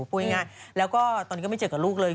พูดง่ายแล้วก็ตอนนี้ก็ไม่เจอกับลูกเลย